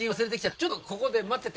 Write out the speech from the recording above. ちょっとここで待ってて。